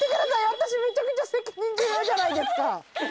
私めちゃくちゃ責任重大じゃないですか。